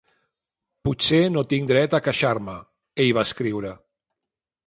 "Potser no tinc dret a queixar-me", ell va escriure.